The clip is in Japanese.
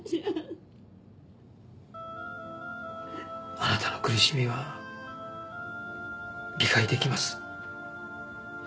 あなたの苦しみは理解出来ます。